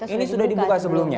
ini sudah dibuka sebelumnya